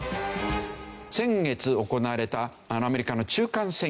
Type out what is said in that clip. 先月行われたアメリカの中間選挙。